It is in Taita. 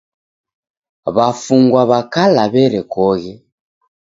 W'afungwa w'a kala w'erekoghe.